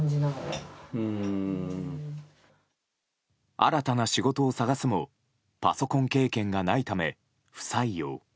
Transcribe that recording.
新たな仕事を探すもパソコン経験がないため不採用。